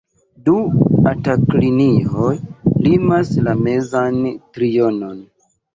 Du „atak-linioj“ limas la mezan trionon.